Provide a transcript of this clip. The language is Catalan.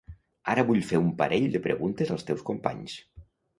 Ara vull fer un parell de preguntes als teus companys.